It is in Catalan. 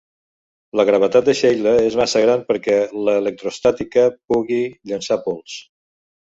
La gravetat de Scheila és massa gran perquè l'electrostàtica pugui llançar pols.